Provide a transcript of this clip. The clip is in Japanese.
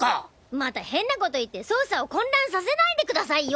また変な事言って捜査を混乱させないでくださいよ！